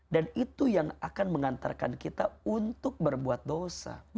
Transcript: dan itu yang akan mengantarkan kita untuk berbuat dosa